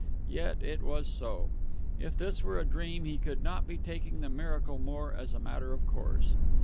Yet it was so. If this were a dream, he could not be taking the miracle more as a matter of course.